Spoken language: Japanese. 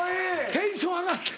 テンション上がって。